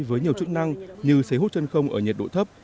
với nhiều chức năng như xấy hút chân không ở nhiệt độ thấp